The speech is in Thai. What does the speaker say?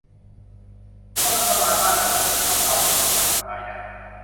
พวกนักทำลายบ้านดูเหมือนจะชอบเตาผิงที่ทำจากไม้นะ